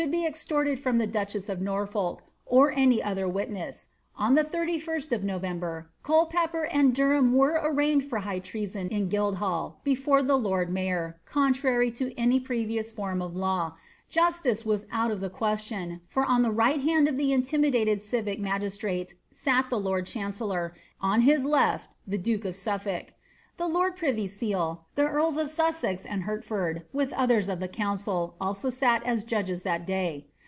be extorted from the duchess of Norfolk or any other witness. On the 3 1 St of November, Culpepper and Derham were arraigned for bifh treason in Guildhall, before the lord mayor, contrary to any previoos form of law' — justice was out of the question, for on the right hand of the intimidated civic magistrate sat the lord chancellor, on his left the duke of Suffolk. The lord privy seal, the earls of Sussex and Hertford, with othera of the council, sat also as judges that day.